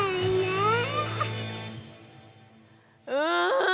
うん！